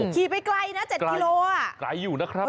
ขี่ไปไกลนะ๗กิโลอ่ะ